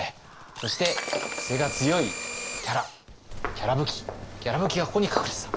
そしてクセが強いキャラキャラぶき「きゃらぶき」がここに隠れてた。